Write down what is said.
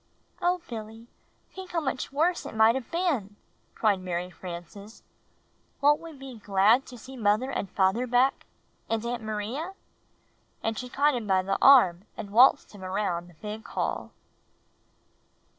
"Oh, Billy, think how much worse it might have been," cried Mary Frances. "Won't we be glad to see father and mother back — and Aunt Maria?" and she caught him by the arm and waltzed him around the big hall.